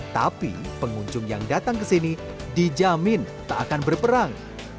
tapi pengunjung yang datang kesini dijamin tak akan berperang